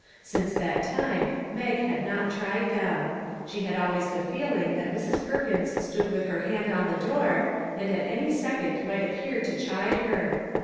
Since that time Mag had not tried them ; she had always the feeling that Mrs. Perkins stood with her hand on the door, and at any second might appear to chide her.